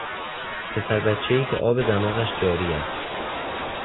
پسر بچهای که آب دماغش جاری است